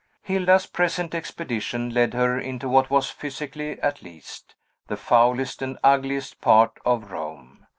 Hilda's present expedition led her into what was physically, at least the foulest and ugliest part of Rome.